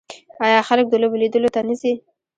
آیا خلک د لوبو لیدلو ته نه ځي؟